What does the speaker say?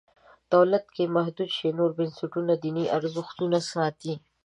دولت که محدود شي نور بنسټونه دیني ارزښتونه ساتي.